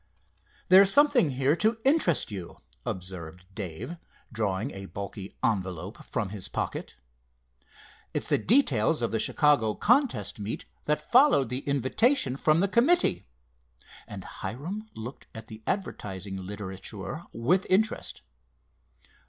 "There's something here to interest you," observed Dave, drawing a bulky envelope from his pocket. "It's the details of the Chicago contest meet, that followed the invitation from the committee," and Hiram looked at the advertising literature with interest.